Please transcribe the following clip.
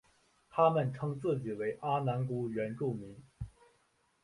他们称自己为阿男姑原住民。